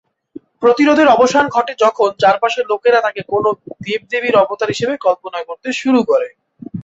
প্রতিরোধের অবসান ঘটে যখন চারপাশের লোকেরা তাকে কোনও দেবীর অবতার হিসাবে কল্পনা করতে শুরু করে।